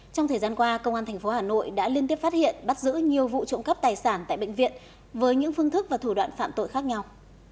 trong thời gian qua công an tp hà nội đã liên tiếp phát hiện bắt giữ nhiều vụ trộm cắp tài sản tại bệnh viện với những phương thức và thủ đoạn phạm tội khác nhau